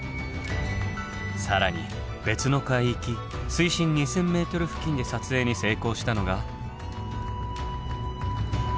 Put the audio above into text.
更に別の海域水深２，０００ｍ付近で撮影に成功したのが。